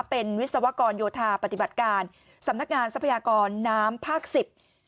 เป็นวิศวกรโยธาปฏิบัติการสำนักงานทรัพยากรน้ำภาคสิบ